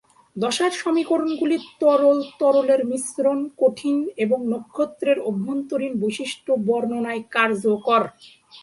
দশার সমীকরণগুলি তরল, তরলের মিশ্রণ, কঠিন এবং নক্ষত্রের অভ্যন্তরীণ বৈশিষ্ট্য বর্ণনায় কার্যকর।